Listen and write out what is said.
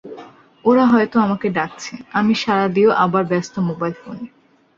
ওরা হয়তো আমাকে ডাকছে, আমি সাড়া দিয়েও আবার ব্যস্ত মোবাইল ফোনে।